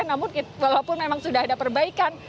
namun walaupun memang sudah ada perbaikan